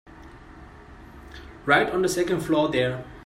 Right on the second floor there.